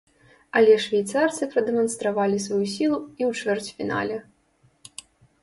Але швейцарцы прадэманстравалі сваю сілу і ў чвэрцьфінале.